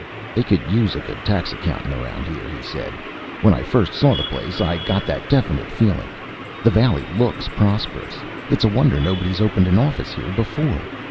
"They could use a good tax accountant around here," he said. "When I first saw the place, I got that definite feeling. The valley looks prosperous. It's a wonder nobody's opened an office here before."